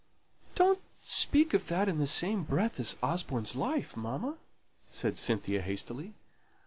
"Don't speak of that in the same breath as Osborne's life, mamma," said Cynthia, hastily.